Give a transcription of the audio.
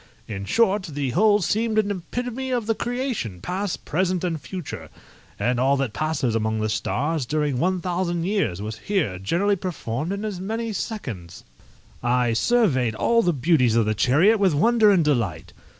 In short, the whole seemed an epitome of the creation, past, present, and future; and all that passes among the stars during one thousand years was here generally performed in as many seconds. I surveyed all the beauties of the chariot with wonder and delight.